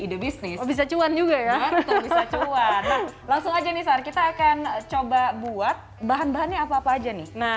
ide bisnis bisa cuan juga ya betul bisa cuan langsung aja nih sar kita akan coba buat bahan bahannya apa apa aja nih nah